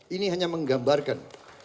ini hanya menggambarkan